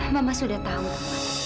mama sudah tahu ma